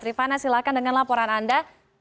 rifana silahkan dengan laporan anda